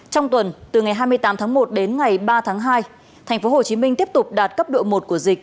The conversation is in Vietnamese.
trong tuần từ ngày hai mươi tám tháng một đến ngày ba tháng hai tp hcm tiếp tục đạt cấp độ một của dịch